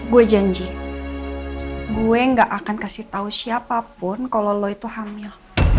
gue janji gue gak akan kasih tahu siapapun kalau lo itu hamil